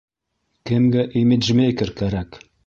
Кемгә имиджмейкер кәрәк?